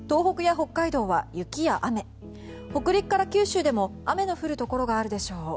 北陸から九州でも雨の降るところがあるでしょう。